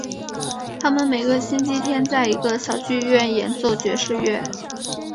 他们每个星期天在一个小剧院演奏爵士乐。